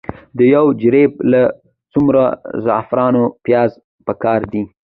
د یو جریب لپاره څومره د زعفرانو پیاز پکار دي؟